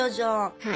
はい。